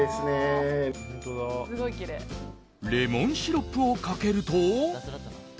レモンシロップをかけると。